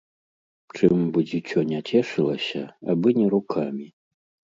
Чым бы дзіцё не цешылася, абы не рукамі.